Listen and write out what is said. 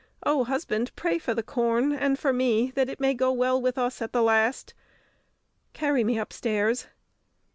Oh, husband! pray for the corn and for me, that it may go well with us at the last! Carry me upstairs!"